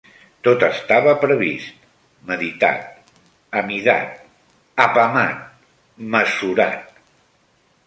Tot estava previst, meditat, amidat, apamat, mesurat